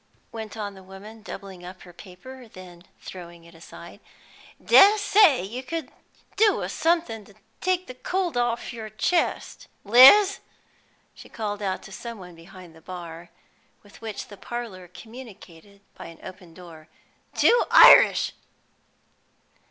went on the woman, doubling up her paper, and then throwing it aside. "Dessay you could do with somethin' to take the cold orff yer chest. Liz," she called out to some one behind the bar, with which the parlour communicated by an open door; "two Irish!"